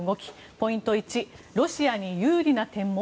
ポイント１ロシアに有利な点も？